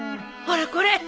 ほらこれ！